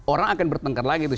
orang akan bertengkar lagi